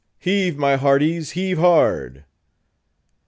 "Heave, my hearties, heave hard!"